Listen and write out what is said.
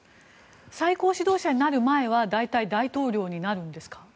最高指導者になる前は大体、大統領になるんですか？